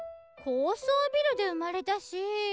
高そうビルで生まれたし。